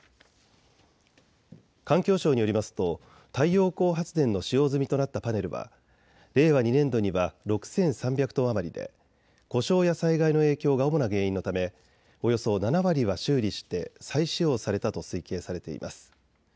環境省によりますと太陽光発電の使用済みとなったパネルは令和２年度には６３００トン余りで故障や災害の影響が主な原因のためおよそ７割は修理して再使用されたと推計されています。